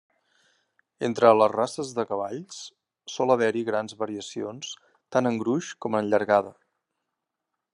Entre les races de cavalls, sol haver-hi grans variacions tant en gruix com en llargada.